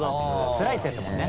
スライスやったもんね。